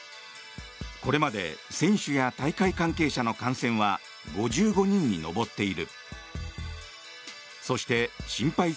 これまで選手や大会関係者の感染は５５人に上っている。